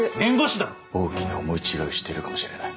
大きな思い違いをしているかもしれない。